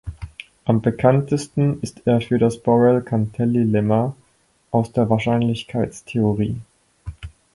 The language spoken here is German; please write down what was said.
Am bekanntesten ist er für das Borel-Cantelli-Lemma aus der Wahrscheinlichkeitstheorie.